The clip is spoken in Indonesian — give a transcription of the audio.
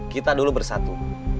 kita dulu bersatu